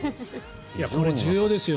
これ、重要ですよ